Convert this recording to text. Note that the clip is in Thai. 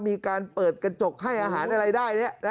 มีการเปิดกระจกให้อาหารอะไรได้